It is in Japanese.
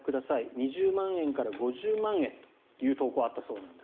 ２０万円から５０万円という投稿があったそうです。